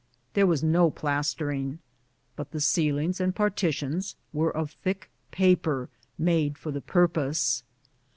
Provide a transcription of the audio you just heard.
There was no plastering, but the ceilings and partitions were of thick paper made for the purpose.